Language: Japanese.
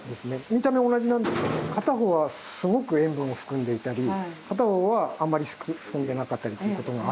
見た目は同じなんですけど片方はすごく塩分を含んでいたり片方はあんまり進んでなかったりということがあって。